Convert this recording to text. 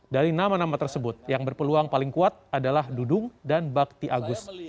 dari nama nama tersebut yang berpeluang paling kuat adalah dudung dan bakti agus